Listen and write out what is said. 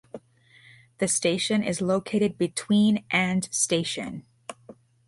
The station is located between and station.